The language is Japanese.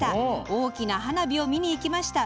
大きな花火を見に行きました。